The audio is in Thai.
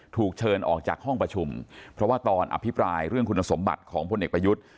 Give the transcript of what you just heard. ถูกเชิญออกจากห้องประชุมเพราะว่าตอนอภิปรายเรื่องคุณสมบัติของพลเอกประยุทธ์